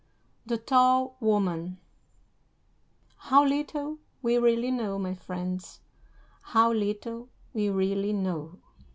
THE TALL WOMAN I. "How little we really know, my friends; how little we really know."